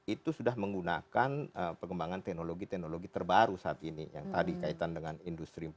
itu sudah menggunakan pengembangan teknologi teknologi terbaru saat ini yang tadi kaitan dengan industri empat